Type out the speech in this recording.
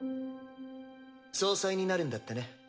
総裁になるんだってね。